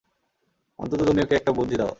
অন্তত তুমি ওকে একটা বুদ্ধি দাও?